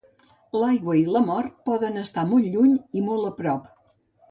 L'aigua i la mort poden estar molt lluny i molt a prop.